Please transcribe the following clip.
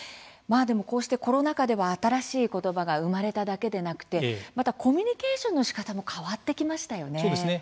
こうしてコロナ禍では新しい言葉が生まれただけでなくコミュニケーションのしかたも変わってきましたよね。